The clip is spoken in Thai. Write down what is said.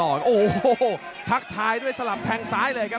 โอ้โหทักทายด้วยสลับแทงซ้ายเลยครับ